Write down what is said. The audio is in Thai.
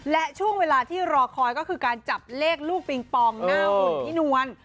และช่วงเวลาที่รอคอยก็คือการจับเลขลูกปิงปองหน้าหุ่นพี่นวล